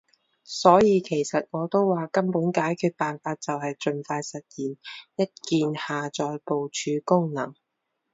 所以其實我都話，根本解決辦法就係儘快實現一鍵下載部署功能